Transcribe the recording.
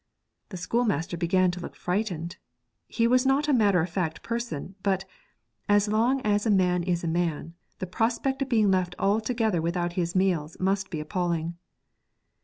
The schoolmaster began to look frightened. He was not a matter of fact person, but, as long as a man is a man, the prospect of being left altogether without his meals must be appalling.